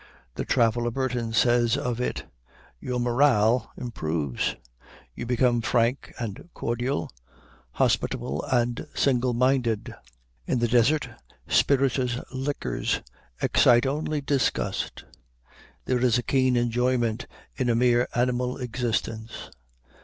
The traveler Burton says of it, "Your morale improves; you become frank and cordial, hospitable and single minded.... In the desert, spirituous liquors excite only disgust. There is a keen enjoyment in a mere animal existence."